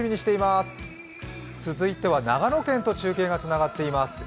続いては長野県と中継がつながっています。